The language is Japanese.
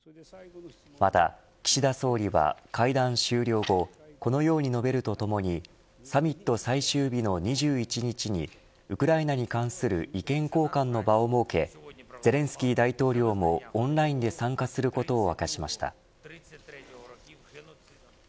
また岸田総理は、会談終了後このように述べるとともにサミット最終日の２１日にウクライナに関する意見交換の場を設けゼレンスキー大統領もオンラインで参加することを明かしました。